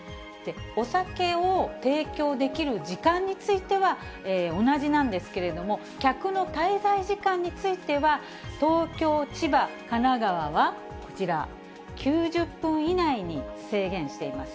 お酒を提供できる時間については、同じなんですけれども、客の滞在時間については、東京、千葉、神奈川はこちら、９０分以内に制限しています。